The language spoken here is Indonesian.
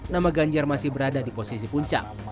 nama ganjar masih berada di posisi puncak